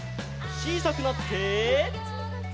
ちいさくなって。